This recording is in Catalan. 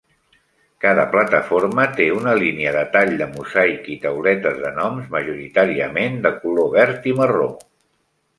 Cada plataforma té una línia de tall de mosaic i tauletes de noms majoritàriament de color verd i marró.